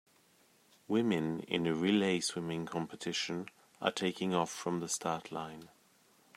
Women in a relay swimming competition are taking off from the start line.